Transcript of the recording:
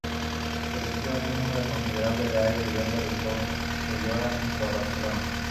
Seleccionó un número considerable de áreas diversas de Collserola, junto a Barcelona.